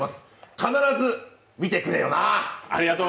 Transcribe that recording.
必ず見てくれよな。